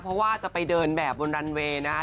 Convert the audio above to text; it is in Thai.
เพราะว่าจะไปเดินแบบบนรันเวย์นะคะ